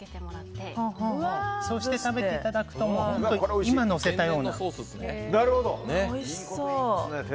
そうして食べていただくと今、のせたような。